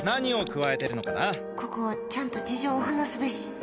ここはちゃんと事情を話すべし。